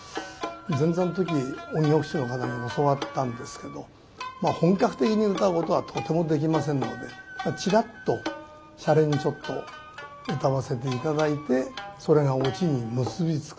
前座の時音曲師の方にも教わったんですけど本格的にうたうことはとてもできませんのでちらっとシャレにちょっとうたわせて頂いてそれがオチに結び付くという。